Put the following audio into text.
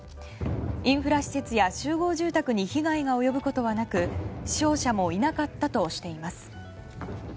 インフラ施設や集合住宅に被害が及ぶことはなく死傷者もいなかったとしています。